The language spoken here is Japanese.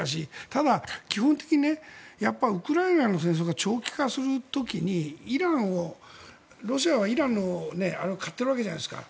ただ、基本的にウクライナの戦争が長期化する時にロシアはイランのを買っているわけじゃないですか。